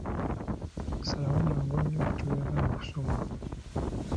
Salawo mangu nnyo ku ky'oyagala okusomako.